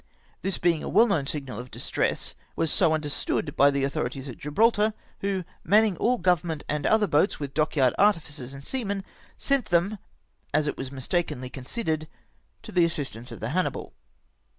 This being a well known signal of distress, was so understood by the authorities at Gibral tar, who, manning all government and other boats with dockyard artificers and seamen, sent them, as it was mistakenly considered, to the assistance of the Hannibal.